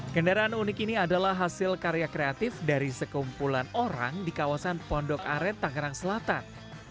kendaraan unik ini adalah hasil karya kreatif dari sekumpulan orang di kawasan pondok aren tangerang selatan